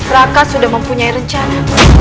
raka sudah mempunyai rencana